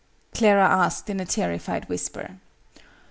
Clara asked in a terrified whisper.